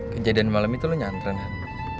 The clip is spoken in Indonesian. kejadian malem itu lo nyantren han